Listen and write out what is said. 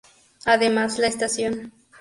Además la estación.